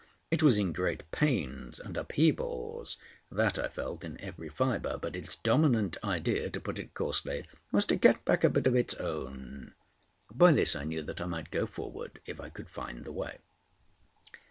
It was in great pains and upheavals—that I felt in every fibre but its dominant idea, to put it coarsely, was to get back a bit of its own. By this I knew that I might go forward if I could find the way.